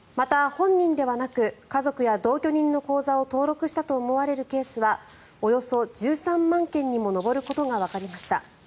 また、本人ではなく家族や同居人の口座を登録したと思われるケースはおよそ１３万件にも上ることがわかりました。